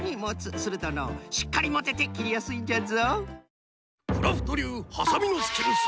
するとのうしっかりもてて切りやすいんじゃぞ。